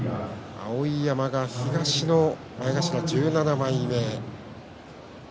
碧山が東の前頭１７枚目。